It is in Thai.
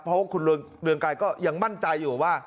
เพราะว่าคุณเรืองไกรก็ยังมั่นใจอยู่ว่า